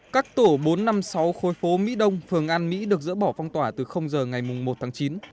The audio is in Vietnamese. các tổ bốn trăm năm mươi sáu khối phố mỹ đông phường an mỹ được dỡ bỏ phong tỏa từ giờ ngày một tháng chín